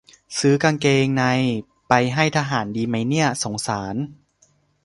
ซื้อกางเกงในไปให้ทหารดีมั้ยเนี่ย สงสาร